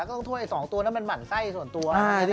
ก็ต้องโทษไอ้๒ตัวนั่นเป็นหมั่นไส้ส่วนตัว